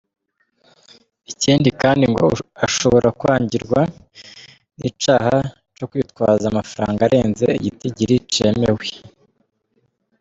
Ikindi kandi ngo ashobora kwagirwa n'icaha co kwitwaza amafarang arenze igitigiri cemewe.